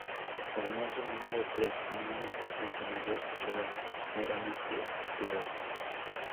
Además, el número tres tiene una importancia mayor que la meramente estructural.